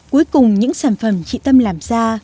cuối cùng những sản phẩm chị tâm làm ra